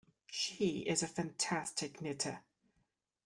She's a fantastic knitter.